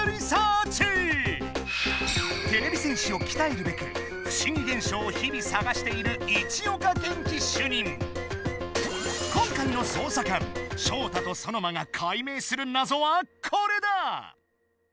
てれび戦士をきたえるべくふしぎげんしょうをひびさがしている今回の捜査官ショウタとソノマがかい明するなぞはこれだ！